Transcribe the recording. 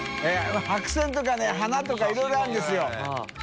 鮴Ⅳ箸花とかいろいろあるんですよ。